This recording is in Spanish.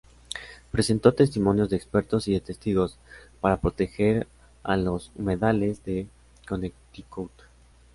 Presentó testimonios de expertos y de testigos, para proteger a los humedales de Connecticut.